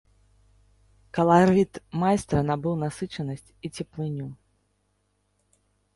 Каларыт майстра набыў насычанасць і цеплыню.